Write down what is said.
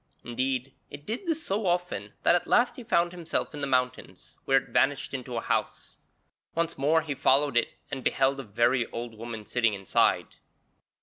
Indeed, it did this so often that at last he found himself in the mountains, where it vanished into a house. Once more he followed it and beheld a very old woman sitting inside.